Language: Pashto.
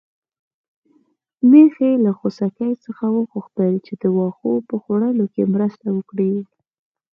میښې له خوسکي څخه وغوښتل چې د واښو په خوړلو کې مرسته وکړي.